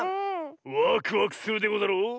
ワクワクするでござろう。